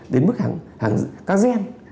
đến mức các gen